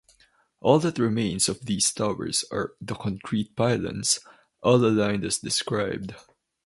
All that remains of these towers are the concrete pylons, all aligned as described.